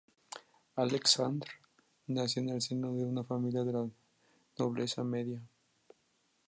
Aleksandr nació en el seno de una familia de la nobleza media.